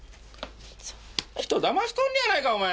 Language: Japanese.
人騙しとんのやないかお前！